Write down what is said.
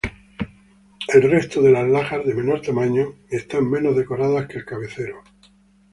El resto de las lajas, de menor tamaño están menos decoradas que el cabecero.